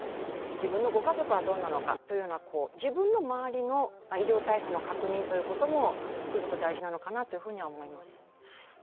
自分のご家族はどうなのかと自分の周りの医療体制の確認もつくづく大事なのかなと思います。